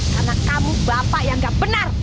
karena kamu bapak yang gak benar